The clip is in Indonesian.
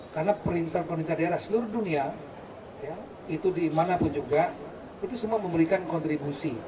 karena perintah perintah daerah seluruh dunia itu dimanapun juga itu semua memberikan kontribusi